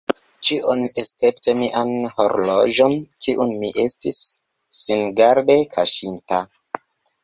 Ĉion, escepte mian horloĝon, kiun mi estis singarde kaŝinta.